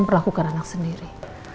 memperlakukan anak sendiri